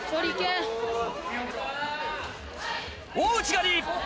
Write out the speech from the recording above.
大内刈！